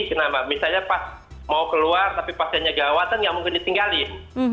kenapa misalnya pas mau keluar tapi pasiennya gawatan nggak mungkin ditinggalin